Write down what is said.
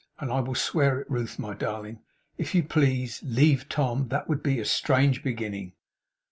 'And I will swear it, Ruth, my darling, if you please. Leave Tom! That would be a strange beginning.